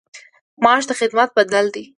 معاش د خدمت بدل دی